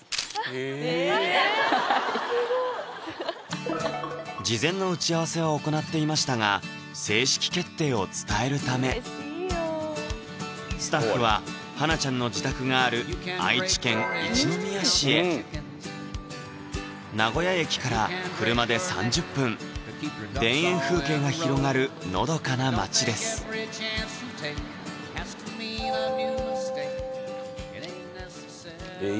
へぇアハハすごい事前の打ち合わせは行っていましたが正式決定を伝えるためスタッフは花奈ちゃんの自宅がある愛知県一宮市へ名古屋駅から車で３０分田園風景が広がるのどかな町ですええ